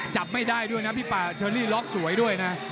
จับไม่ได้ด้วยนะพี่ป่าเชอรี่ล็อกสวยด้วยนะ